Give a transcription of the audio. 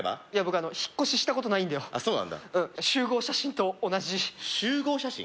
僕引っ越ししたことないんだよあっそうなんだうん集合写真と同じ集合写真？